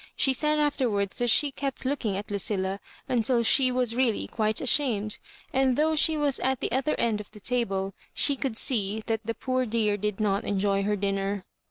She said after wards that she kept looking at Lucilla until she was really quite ashamed ; and though she was at the other end of the table, she oouid see that the poor dear did not enjoy her dinner.